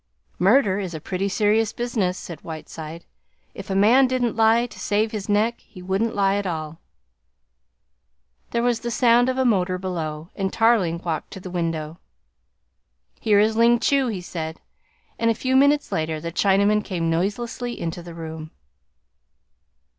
"Murder is a pretty serious business," said Whiteside. "If a man didn't lie to save his neck, he wouldn't lie at all." There was the sound of a motor below, and Tarling walked to the window. "Here is Ling Chu," he said, and a few minutes later the Chinaman came noiselessly into the room.